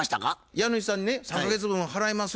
家主さんにね「３か月分払います」